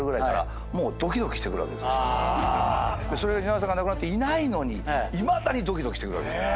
蜷川さんが亡くなっていないのにいまだにドキドキしてくるわけです。